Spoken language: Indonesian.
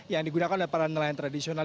yang digunakan oleh para nelayan tradisional